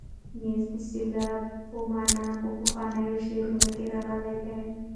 نیز د سیلاب په مانا په پخوانیو شعرونو کې راغلی دی.